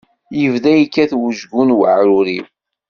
Yebda yekkat wejgu n uɛrur-iw.